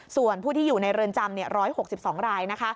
ส่วนผู้ที่อยู่ในเรือนจำ๑๖๒ราย